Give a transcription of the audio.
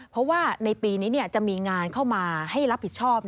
เพราะว่าในปีนี้จะมีงานเข้ามาให้รับผิดชอบ